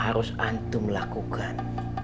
terus antum lakukan